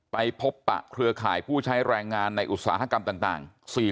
ไปพบปะเครือข่ายผู้ใช้แรงงานในอุตสาหกรรมต่าง